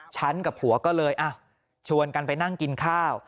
กับผัวก็เลยชวนกันไปนั่งกินข้าว